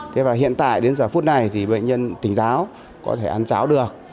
thế và hiện tại đến giờ phút này thì bệnh nhân tỉnh táo có thể ăn cháo được